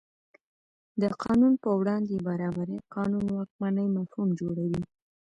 د قانون په وړاندې برابري قانون واکمنۍ مفهوم جوړوي.